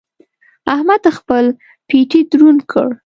احمد خپل پېټی دروند کړ.